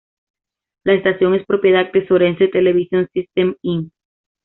La estación es propiedad de Sorensen Television Systems, Inc.